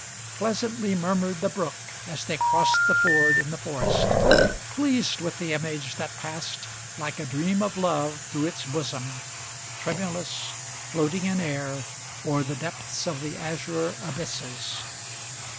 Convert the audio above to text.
Pleasantly murmured the brook, as they crossed the ford in the forest, Pleased with the image that passed, like a dream of love through its bosom, Tremulous, floating in air, o'er the depths of the azure abysses.